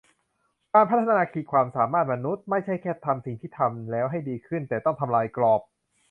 การพัฒนาขีดความสามารถมนุษย์ ไม่ใช่แค่ทำสิ่งที่ทำได้แล้วให้ดีขึ้น แต่ต้องทำลายกรอบ